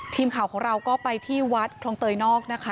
ทีมข่าวของเราก็ไปที่วัดคลองเตยนอกนะคะ